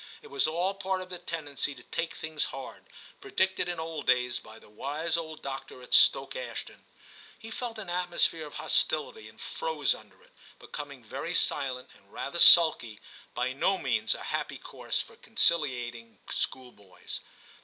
It was all part of the tendency to take things hard, predicted in old days by the wise old doctor at Stoke Ashton. He felt an atmosphere of hostility, and froze under it, becoming very silent and rather sulky, by no means a happy course for V TIM 97 conciliating schoolboys.